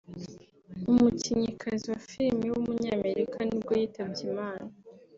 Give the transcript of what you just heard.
umukinnyikazi wa film w’umunyamerika nibwo yitabye Imana